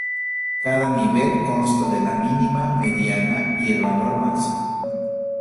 Cada nivel consta de la mínima, mediana, y el valor máximo.